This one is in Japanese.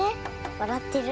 わらってる。